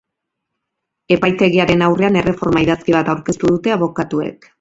Epaitegiaren aurrean erreforma idazki bat aurkeztu dute abokatuek.